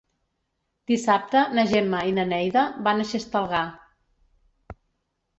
Dissabte na Gemma i na Neida van a Xestalgar.